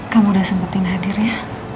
kamu udah sempetin hadir ya